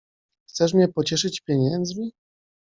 Chcesz mnie pocieszyć pieniędzmi?